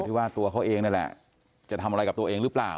ที่ว่าตัวเขาเองนั่นแหละจะทำอะไรกับตัวเองหรือเปล่า